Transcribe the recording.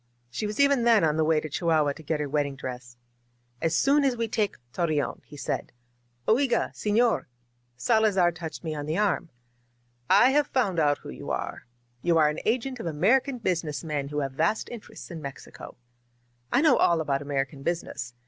She was even then on her way to Chihuahua to get her wedding dress. ^^As soon as we take Torreon," he said. Oigaj seflorr* Salazar touched me on the arm. "I have found out who you are. You are an agent of American business men who have vast interests in Mex ico. I know all about American business.